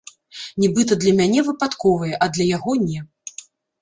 Нібыта для мяне выпадковыя, а для яго не.